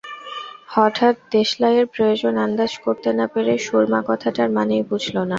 হঠাৎ দেশালাইয়ের প্রয়োজন আন্দাজ করতে না পেরে সুরমা কথাটার মানেই বুঝল না।